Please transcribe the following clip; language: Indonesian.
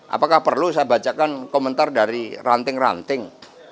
apakah perlu saya bacakan komentar dari ranting ranting